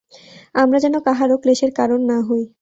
আমরা যেন কাহারও ক্লেশের কারণ না হই।